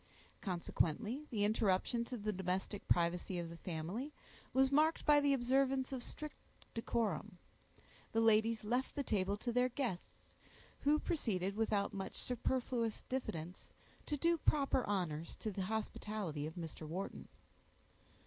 Consequently, the interruption to the domestic privacy of the family was marked by the observance of strict decorum. The ladies left the table to their guests, who proceeded, without much superfluous diffidence, to do proper honors to the hospitality of Mr. Wharton.